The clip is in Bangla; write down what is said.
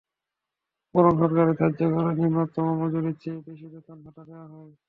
বরং সরকারের ধার্য করা নিম্নতম মজুরির চেয়ে বেশি বেতন-ভাতা দেওয়া হয়।